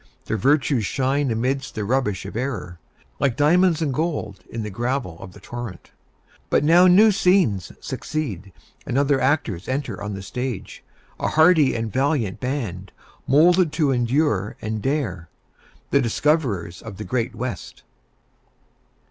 Their virtues shine amidst the rubbish of error, like diamonds and gold in the gravel of the torrent. But now new scenes succeed, and other actors enter on the stage, a hardy and valiant band, moulded to endure and dare, the Discoverers of the Great West.